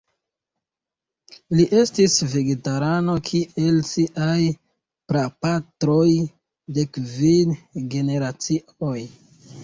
Li estis vegetarano kiel siaj prapatroj de kvin generacioj.